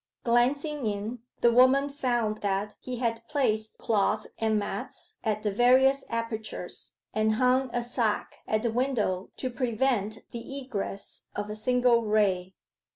Glancing in, the woman found that he had placed cloths and mats at the various apertures, and hung a sack at the window to prevent the egress of a single ray.